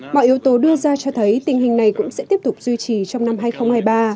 mọi yếu tố đưa ra cho thấy tình hình này cũng sẽ tiếp tục duy trì trong năm hai nghìn hai mươi ba